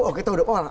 oh kita sudah pohon